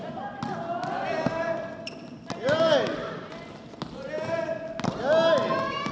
สุดท้ายสุดท้ายสุดท้าย